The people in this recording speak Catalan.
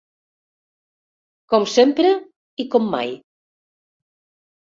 Com sempre i com mai.